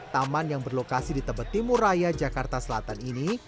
taman yang berlokasi di tebet timur raya jakarta selatan ini